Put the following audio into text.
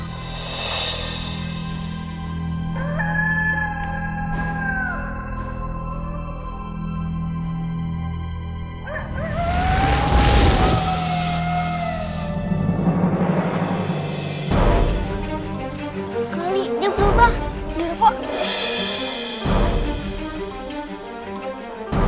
kali ini berubah